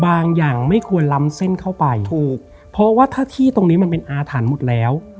อย่างไม่ควรล้ำเส้นเข้าไปถูกเพราะว่าถ้าที่ตรงนี้มันเป็นอาถรรพ์หมดแล้ว